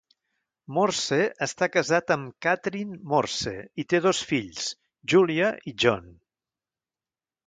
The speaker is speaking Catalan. Morse està casat amb Kathryn Morse i té dos fills, Julia i John.